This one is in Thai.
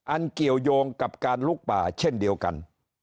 เกี่ยวยงกับการลุกป่าเช่นเดียวกัน